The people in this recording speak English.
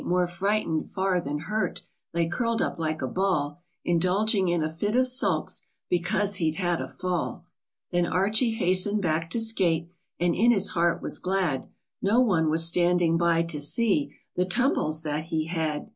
Frisky, more frighten'd far than hurt Lay curl'd up like a ball, Indulging in a fit of sulks, Because he'd had a fall. Then Archie hasten'd back to skate, And in his heart was glad, No one was standing by to see The tumbles that he had.